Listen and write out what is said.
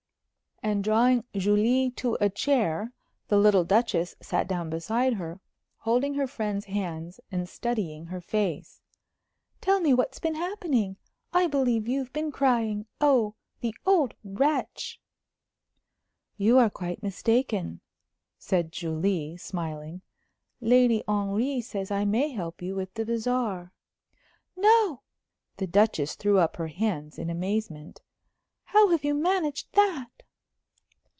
And drawing Julie to a chair, the little Duchess sat down beside her, holding her friend's hands and studying her face. "Tell me what's been happening I believe you've been crying! Oh, the old wretch!" "You're quite mistaken," said Julie, smiling. "Lady Henry says I may help you with the bazaar." "No!" The Duchess threw up her hands in amazement. "How have you managed that?"